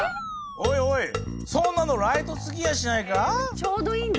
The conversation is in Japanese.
おいおいそんなのライトすぎやしないか？